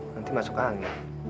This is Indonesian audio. nanti masuk angin